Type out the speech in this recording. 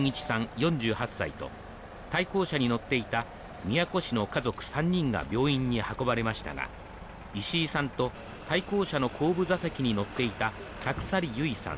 ４８歳と対向車に乗っていた宮古市の家族３人が病院に運ばれましたが石井さんと対向車の後部座席に乗っていた田鎖結さん